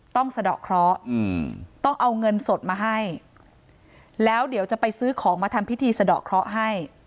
สะดอกเคราะห์ต้องเอาเงินสดมาให้แล้วเดี๋ยวจะไปซื้อของมาทำพิธีสะดอกเคราะห์ให้